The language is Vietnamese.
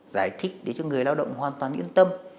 giải thích để cho người lao động hoàn toàn yên tâm